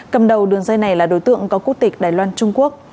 cầm đầu đường dây này là đối tượng có quốc tịch đài loan trung quốc